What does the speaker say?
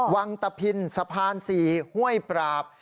วังตะพินสะพาน๔ห้วยปราบ